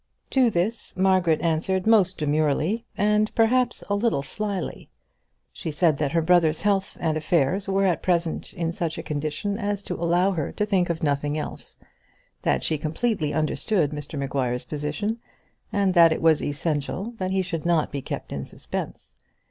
To this Margaret answered most demurely, and perhaps a little slily. She said that her brother's health and affairs were at present in such a condition as to allow her to think of nothing else; that she completely understood Mr Maguire's position, and that it was essential that he should not be kept in suspense.